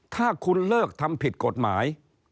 ถ้าคุณเลิกทำผิดกฎหมาย